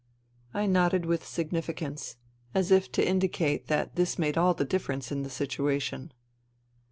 I nodded with significance, as if to indicate that this made all the difference in the situation.